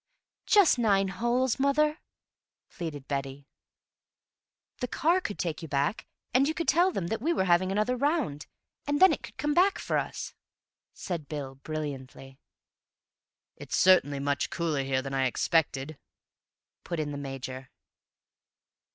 "Just nine holes, mother," pleaded Betty. "The car could take you back, and you could tell them that we were having another round, and then it could come back for us," said Bill brilliantly. "It's certainly much cooler here than I expected," put in the Major.